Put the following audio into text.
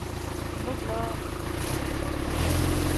موږ له میلمانه خوښ یو.